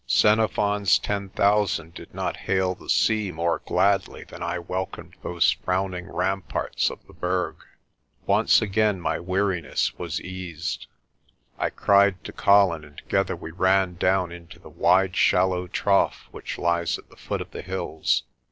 Xenophon's Ten Thousand did not hail the sea more gladly than I welcomed those frowning ramparts of the Berg. Once again my weariness was eased. I cried to Colin and together we ran down into the wide, shallow trough which lies at the foot of the hills.